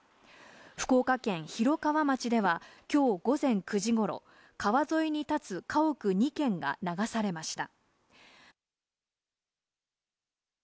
福岡県広川町では、きょう午前９時ごろ、川沿いに建つ家屋２軒が流されました。